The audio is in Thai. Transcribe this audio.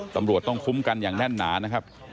ตำรวจต้องคุ้มกันอย่างแน่นหนานะครับ